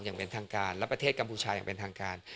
อย่างเป็นทางการและประเทศกัมพูชาอย่างเป็นทางการ